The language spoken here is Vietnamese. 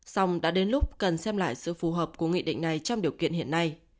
xong đã đến lúc cần xem lại sự phù hợp của nghị định này trong điều kiện hiện nay